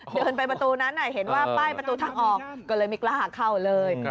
เดินไปประตูนั้นเห็นว่าป้ายประตูทางออกก็เลยไม่กล้าเข้าเลย